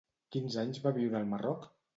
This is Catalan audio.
Quins anys va viure al Marroc?